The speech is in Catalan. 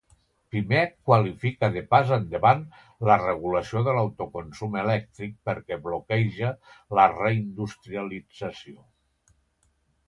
Pimec qualifica de “pas endavant” la regulació de l'autoconsum elèctric perquè “bloqueja” la reindustrialització.